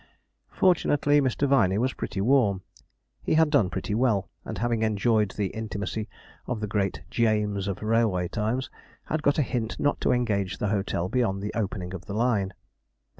Fortunately Mr. Viney was pretty warm; he had done pretty well; and having enjoyed the intimacy of the great 'Jeames' of railway times, had got a hint not to engage the hotel beyond the opening of the line.